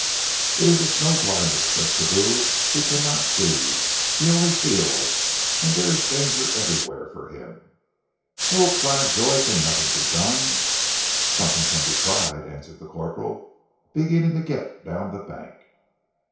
"It is the snow blindness," said Sibou. "He cannot see. He only feels, and there is danger everywhere for him." "Oh," cried Joy, "can nothing be done?" "Something can be tried," answered the corporal, beginning to get down the bank.